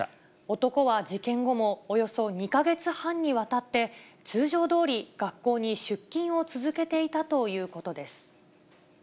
男は事件後も、およそ２か月半にわたって、通常どおり、学校に出勤を続けていたということです。